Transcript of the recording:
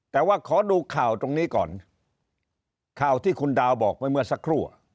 แต่ว่าขอดูข่าวตรงนี้ก่อนข่าวที่คุณดาวบอกไปเมื่อสักครู่